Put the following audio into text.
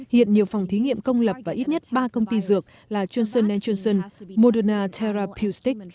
hiện nhiều phòng thí nghiệm công lập và ít nhất ba công ty dược là johnson johnson moderna telra plusic